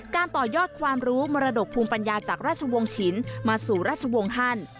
ต่อยอดความรู้มรดกภูมิปัญญาจากราชวงศ์ชินมาสู่ราชวงศ์ฮัน